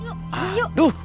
yuk yuk aduh